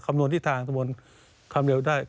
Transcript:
คำนวณที่ทางคำนวณคำเดียวได้